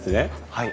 はい。